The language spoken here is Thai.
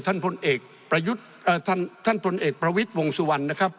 ท่านพลเอกประยุทธ์เอ่อท่านท่านพลเอกประวิทย์วงสุวรรณนะครับ